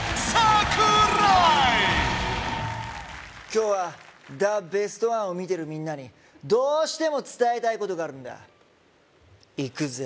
今日はザ・ベストワンを見てるみんなにどうしても伝えたいことがあるんだいくぜ